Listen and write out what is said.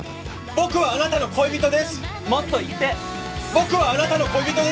僕はあなたの恋人です！